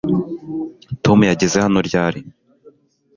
tom yageze hano ryari